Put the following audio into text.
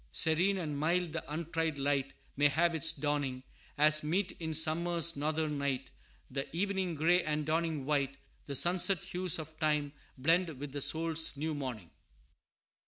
Serene and mild the untried light May have its dawning; As meet in summer's northern night The evening gray and dawning white, The sunset hues of Time blend with the soul's new morning.